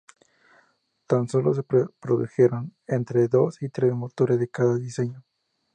Tan sólo se produjeron entre dos y tres motores de cada diseño.